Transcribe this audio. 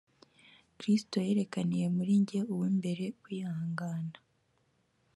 kristo yerekanire muri jye uw’imbere kwihangana